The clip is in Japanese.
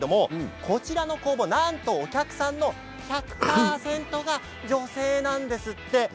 こちらの工房はお客さんの１００％が女性なんですって。